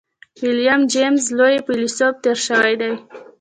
ويليم جېمز لوی فيلسوف تېر شوی دی.